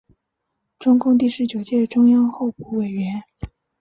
中共第十九届中央候补委员。